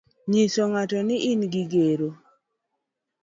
nyiso ng'ato ni in gi gero.